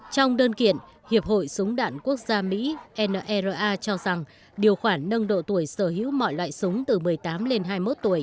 trong đơn kiện hiệp hội súng đạn quốc gia mỹ nara cho rằng điều khoản nâng độ tuổi sở hữu mọi loại súng từ một mươi tám lên hai mươi một tuổi